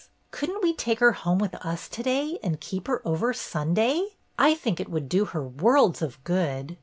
Could n't we take her home with us to day and keep her over Sunday ? I think it would do her worlds of good.